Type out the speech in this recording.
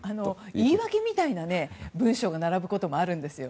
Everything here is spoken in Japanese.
言い訳みたいな文章が並ぶこともあるんですよ。